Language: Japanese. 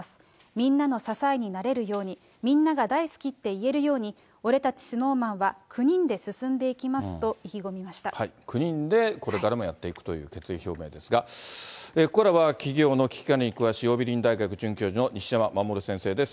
みんなの支えになれるように、みんなが大好きって言えるように、俺たちＳｎｏｗＭａｎは、９人で進んでいきますと、意気込みま９人でこれからもやっていくという決意表明ですが、ここからは企業の危機管理に詳しい桜美林大学准教授の西山守先生です。